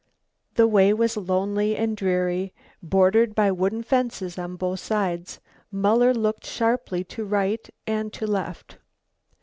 The way was lonely and dreary, bordered by wooden fences on both sides. Muller looked sharply to right and to left.